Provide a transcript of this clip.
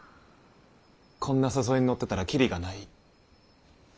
こんな誘いに乗ってたらキリがない。